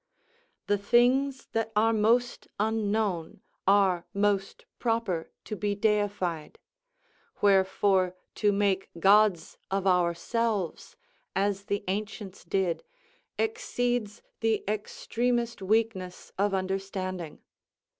The things that are most unknown are most proper to be deified; wherefore to make gods of ourselves, as the ancients did, exceeds the extremest weakness of understanding.